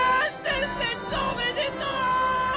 前列おめでとう！